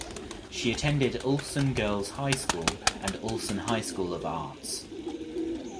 She attended Ulsan Girls’ High School and Ulsan High School of Arts.